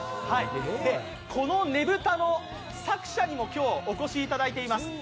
このねぶたの作者にも今日、お越しいただいています。